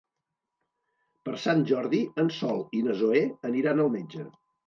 Per Sant Jordi en Sol i na Zoè aniran al metge.